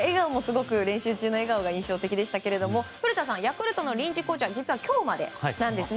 練習中の笑顔がすごく印象的でしたが、古田さんヤクルトの臨時コーチは実は今日までなんですね。